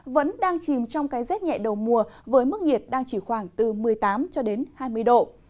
vẫn đang chìm trong cái rét nhẹ đầu mùa với mức nhiệt đang chỉ khoảng từ một mươi tám cho đến hai mươi độ